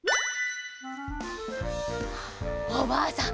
おばあさん